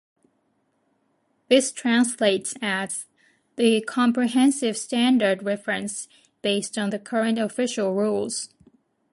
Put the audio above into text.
This translates as: "The comprehensive standard reference "based on the current official rules".